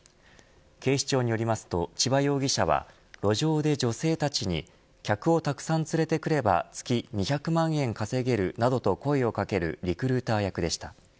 警視庁によりますと千葉容疑者は路上で女性たちに客をたくさん連れてくれば月２００万円稼げるなどと声をかけるリクルーター役でした。